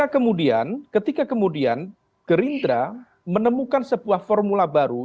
kemudian ketika kemudian gerindra menemukan sebuah formula baru